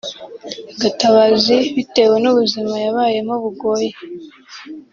Gatabazi bitewe n’ubuzima yabayemo bugoye